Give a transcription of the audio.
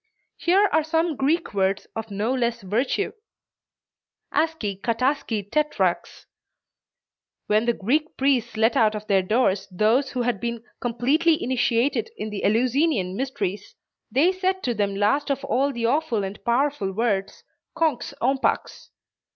Here are some Greek words of no less virtue: "Aski, Kataski, Tetrax." When the Greek priests let out of their doors those who had been completely initiated in the Eleusinian mysteries, they said to them last of all the awful and powerful words, "Konx, ompax."